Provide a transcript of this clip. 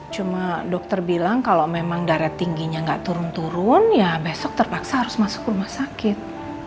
cuma dokter bilang kalau memang darat tingginya nggak turun turun ya besok terpaksa harus masuk rumah sakit